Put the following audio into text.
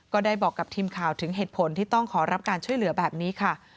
ก็ได้บอกกับทีมข่าวถึงเหตุผลที่ต้องขอรับการช่วยเหลือแบบนี้ค่ะ